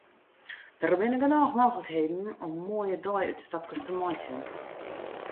Der binne genôch mooglikheden om moaie deiútstapkes te meitsjen.